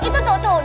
itu tuh tuh